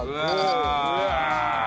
うわ。